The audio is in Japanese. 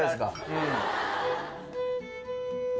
うん。